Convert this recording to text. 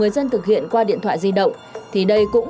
rất là nguy hiểm